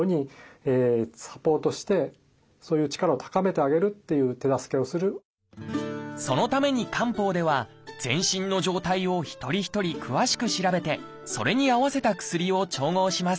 でも新型コロナウイルス後遺症に関してはそのために漢方では全身の状態を一人一人詳しく調べてそれに合わせた薬を調合します。